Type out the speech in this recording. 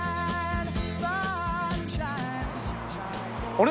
あれ？